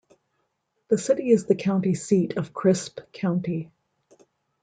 The city is the county seat of Crisp County.